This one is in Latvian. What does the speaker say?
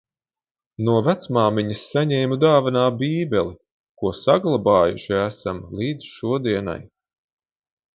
No vecmāmiņas saņēmu dāvanā Bībeli, ko saglabājuši esam līdz šodienai.